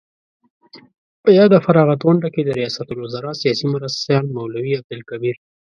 په یاده فراغت غونډه کې د ریاست الوزراء سیاسي مرستیال مولوي عبدالکبیر